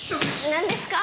何ですか？